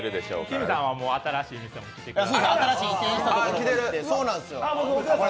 きむさんは新しい店にも来てくれて。